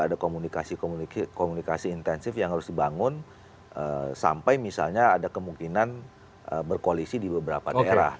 ada komunikasi komunikasi intensif yang harus dibangun sampai misalnya ada kemungkinan berkoalisi di beberapa daerah